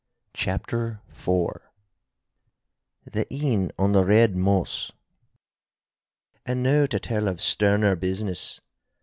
*CHAPTER IV* *THE INN ON THE RED MOSS* And now to tell of sterner business.